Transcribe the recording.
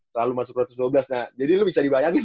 selalu masuk satu ratus dua belas nah jadi lo bisa dibayangin